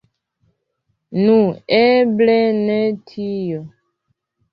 Nu, eble ne tio.